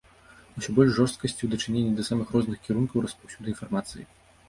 Усё больш жорсткасці ў дачыненні да самых розных кірункаў распаўсюду інфармацыі.